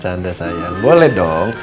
bercanda sayang boleh dong